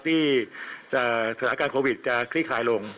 ที่สถานการณ์โควิดจะคลี่คลายลง